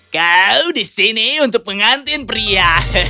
kau di sini untuk pengantin pria